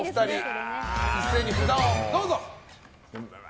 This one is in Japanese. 一斉に札をどうぞ。